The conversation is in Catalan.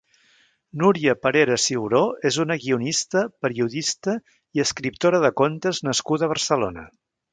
Núria Parera Ciuró és una guionista, periodista i escriptora de contes nascuda a Barcelona.